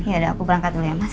yaudah aku berangkat dulu ya mas